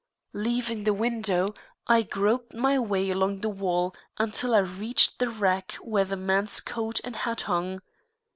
Leaving the window, I groped my way along the wall until I reached the rack where the man's coat and hat hung.